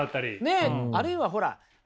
あるいはほら